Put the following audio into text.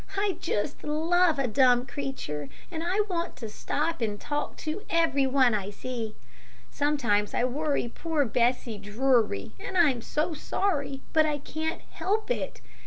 I just love a dumb creature, and I want to stop and talk to every one I see. Sometimes I worry poor Bessie Drury, and I'm so sorry, but I can't help it.